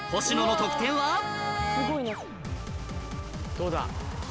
どうだ？